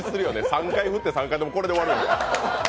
３回振って、３回ともこれで終わる。